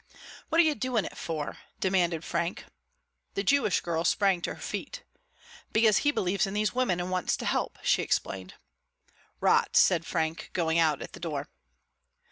"What are you doing it for?" demanded Frank. The Jewish girl sprang to her feet. "Because he believes in these women and wants to help," she explained. "Rot," said Frank, going out at the door.